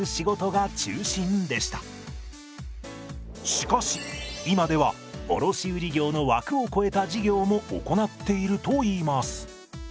しかし今では卸売業の枠を超えた事業も行っているといいます。